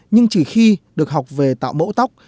nhưng chỉ khi được học về tạo mẫu tóc